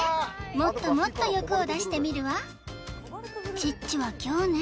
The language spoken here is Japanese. もっともっと欲を出してみるわチッチは凶ね